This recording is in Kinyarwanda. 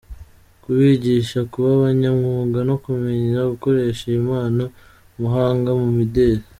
Kubigisha kuba abanyamwuga no kumenya gukoresha iyi mpano Umuhanga mu mideli.